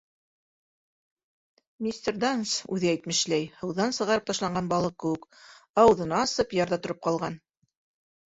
Мистер Данс, үҙе әйтмешләй, һыуҙан сығарып ташланған балыҡ кеүек, ауыҙын асып ярҙа тороп ҡалған.